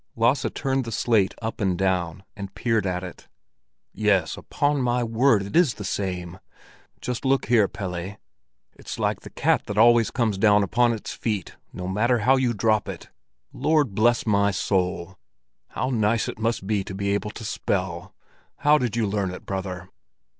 Lasse turned the slate up and down, and peered at it. "Yes, upon my word, it is the same! Just look here, Pelle! It's like the cat that always comes down upon its feet, no matter how you drop it. Lord bless my soul! how nice it must be to be able to spell! How did you learn it, brother?"